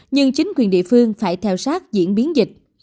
nhưng chính quyền địa phương phải theo sát diễn biến dịch